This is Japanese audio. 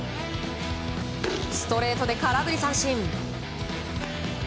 ストレートで空振り三振。